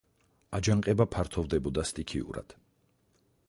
აჯანყება ფართოვდებოდა სტიქიურად.